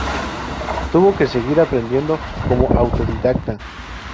Tuvo que seguir aprendiendo como autodidacta.